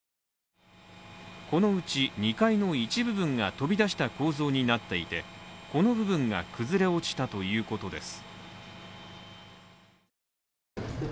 このうち２階の一部分が飛び出した構造になっていてこの部分が崩れ落ちたということです。